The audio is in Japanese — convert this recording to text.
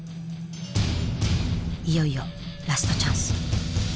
いよいよラストチャンス。